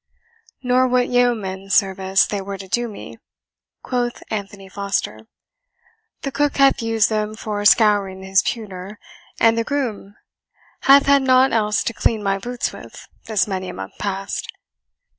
"Nor what yeoman's service they were to do me," quoth Anthony Foster; "the cook hath used them for scouring his pewter, and the groom hath had nought else to clean my boots with, this many a month past."